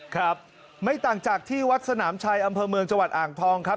ครับไม่ต่างจากที่วัดสนามชัยอำเภอเมืองจังหวัดอ่างทองครับ